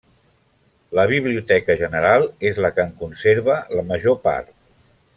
La Biblioteca General és la que en conserva la major part.